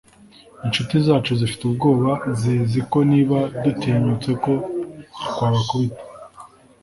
inshuti zacu zifite ubwoba zizi ko niba dutinyutse ko twabakubita